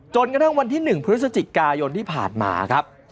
กระทั่งวันที่๑พฤศจิกายนที่ผ่านมาครับ